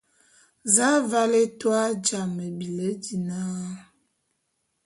Za aval étua jame me bili dina?